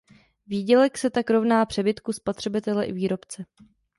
Výdělek se tak rovná přebytku spotřebitele i výrobce.